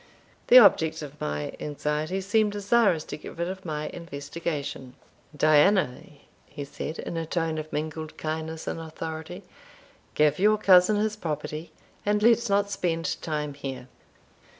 The object of my anxiety seemed desirous to get rid of my investigation. "Diana," he said, in a tone of mingled kindness and authority, "give your cousin his property, and let us not spend time here."